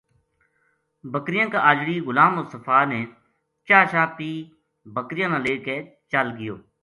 بکریاں کا اجڑی غلام مصطفی نے چاہ شاہ پی بکریاں نا لے چل گیو